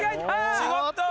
違った！